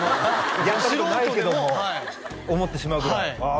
やったことないけども思ってしまうぐらいああ